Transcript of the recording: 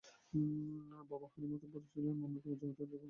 বাবা হানিফ মাতুব্বর অন্যের জমিতে দিনমজুরের কাজ করে কোনো রকমে সংসার চালান।